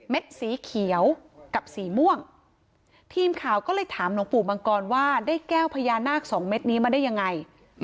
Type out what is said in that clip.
สีเขียวกับสีม่วงทีมข่าวก็เลยถามหลวงปู่มังกรว่าได้แก้วพญานาคสองเม็ดนี้มาได้ยังไง